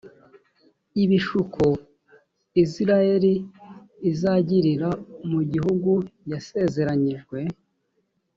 ibishuko israheli izagirira mu gihugu yasezeranyijwe